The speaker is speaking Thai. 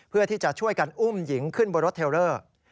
เพื่อที่จะช่วยกันอุ้มหญิงขึ้นบนรถเทลเลอร์